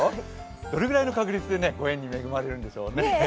どれぐらいの確率でご縁に恵まれるんでしょうね。